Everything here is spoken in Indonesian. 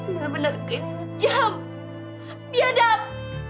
benar benar kejam biadab